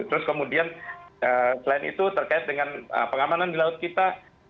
terus kemudian selain itu terkait dengan pengamanan di laut kita